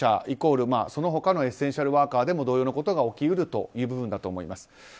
他のエッセンシャルワーカーでも同様のことが起き得るという部分だと思います。